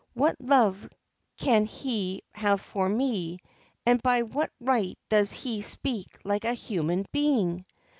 What love can he have for me, and by what right does he speak like a human being